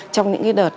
trong những cái đợt